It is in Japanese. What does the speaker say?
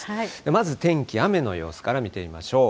まず天気、雨の様子から見てみましょう。